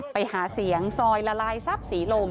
ไปหาเสียงซอยละลายซับสีลม